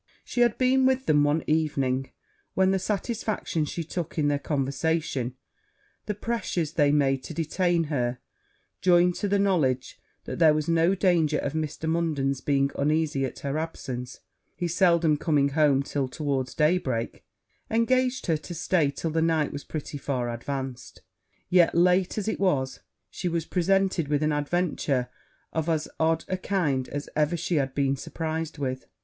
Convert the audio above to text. She had been with them one evening, when the satisfaction she took in their conversation, the pressures they made to detain her, joined to the knowledge that there was no danger of Mr. Munden's being uneasy at her absence, (he seldom coming home till towards daybreak) engaged her to stay till the night was pretty far advanced; yet, late as it was, she was presented with an adventure of as odd a kind as ever she had been surprized with.